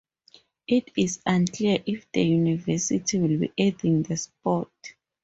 It is unclear if the University will be adding the sport.